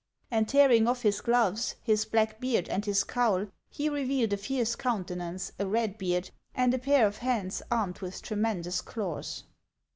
And tearing off his gloves, his black beard, and his cowl, he revealed a fierce countenance, a red beard, and a pair of hands armed with tremendous claws.